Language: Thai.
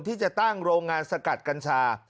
ที่จะตั้งโรงงานสกัดกัญชา